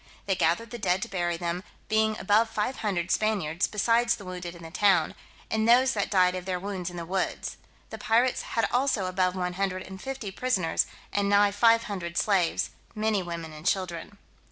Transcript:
They gathered the dead to bury them, being above five hundred Spaniards, besides the wounded in the town, and those that died of their wounds in the woods. The pirates had also above one hundred and fifty prisoners, and nigh five hundred slaves, many women and children.